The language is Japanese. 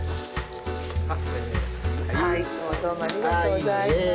はいいつもどうもありがとうございます。